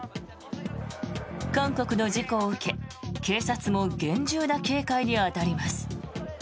韓国の事故を受け警察も厳重な警戒に当たります。